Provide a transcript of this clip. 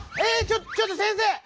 ちょちょっと先生！